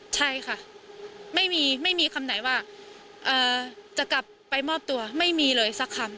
ใช่ค่ะไม่มีไม่มีคำไหนว่าจะกลับไปมอบตัวไม่มีเลยสักคำ